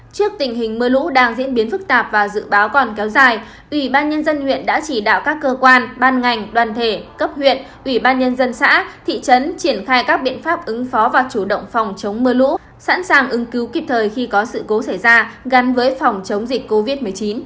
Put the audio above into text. trước tình hình mưa lũ đang diễn biến phức tạp và dự báo còn kéo dài ủy ban nhân dân huyện đã chỉ đạo các cơ quan ban ngành đoàn thể cấp huyện ủy ban nhân dân xã thị trấn triển khai các biện pháp ứng phó và chủ động phòng chống mưa lũ sẵn sàng ứng cứu kịp thời khi có sự cố xảy ra gắn với phòng chống dịch covid một mươi chín